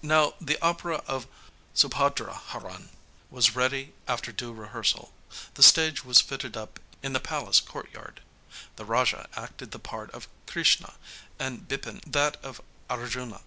Now the opera of Subhadraharan was ready after due rehearsal. The stage was fitted up in the palace court yard. The Raja acted the part of 'Krishna,' and Bipin that of 'Arjuna.'